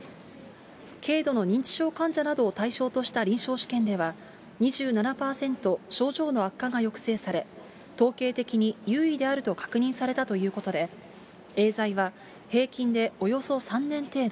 軽度の認知症患者などを対象とした臨床試験では、２７％症状の悪化が抑制され、統計的に有意であると確認されたということで、エーザイは、平均でおよそ３年程度、